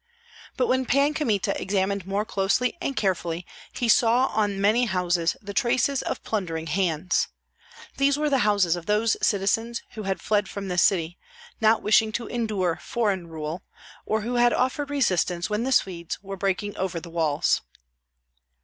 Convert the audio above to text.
But when Pan Kmita examined more closely and carefully, he saw on many houses the traces of plundering hands. These were the houses of those citizens who had fled from the city, not wishing to endure foreign rule, or who had offered resistance when the Swedes were breaking over the walls.